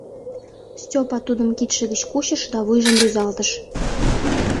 Степа тудым кидше гыч кучыш да вуйжым рӱзалтыш.